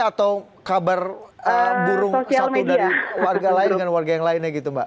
atau kabar burung satu dari warga lain dengan warga yang lainnya gitu mbak